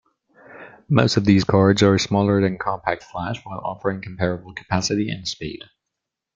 Most of these cards are smaller than CompactFlash while offering comparable capacity and speed.